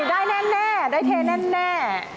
ได้แน่ได้เทแน่